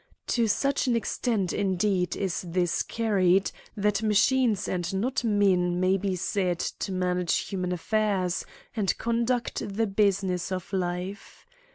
To such an extent indeed is this carried, that machines and not men may be said to manage human affairs, and conduct the business of life.